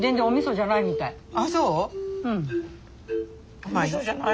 お味噌じゃないみたい！